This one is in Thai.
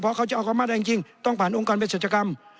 เพราะเขาจะเอาเขามาได้จริงต้องผ่านองค์การเพศรัชกรรม